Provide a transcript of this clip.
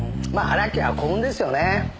荒木は幸運ですよね。